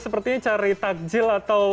sepertinya cari takjil atau